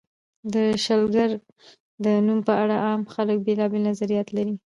د شلګر د نوم په اړه عام خلک بېلابېل نظریات لري.